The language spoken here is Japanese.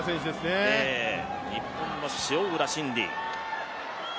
日本の塩浦慎理。